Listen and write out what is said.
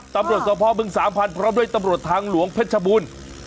ตำรวจสภบึงสามพันธุ์พร้อมด้วยตำรวจทางหลวงเพชรบูรณ์